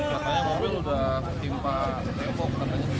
makanya mobil sudah sempat tembok